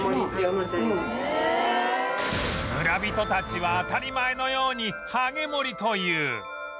村人たちは当たり前のように「はげ盛」と言う